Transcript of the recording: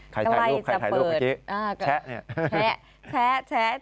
ใครถ่ายลูกเมื่อกี้แชะนี่